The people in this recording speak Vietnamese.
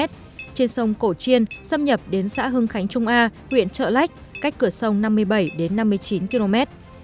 trên sông cổ chiên xâm nhập đến xã hưng khánh trung a huyện trợ lách cách cửa sông năm mươi bảy năm mươi chín km